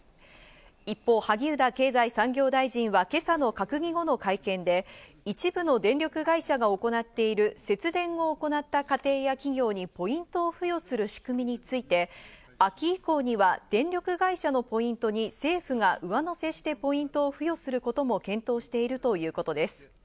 一方、萩生田経済産業大臣は今朝の閣議後の会見で、一部の電力会社が行っている節電を行った家庭や企業にポイントを付与する仕組みについて、秋以降には電力会社のポイントに政府が上乗せしてポイントを付与することも検討しているということです。